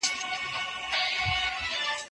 هغه څوک چي مني، سوله غواړي.